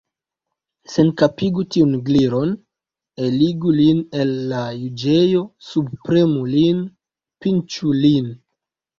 Senkapigu tiun Gliron! Eligu lin el la juĝejo! Subpremu lin! Pinĉu lin!